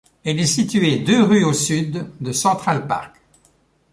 Elle est située deux rues au sud de Central Park.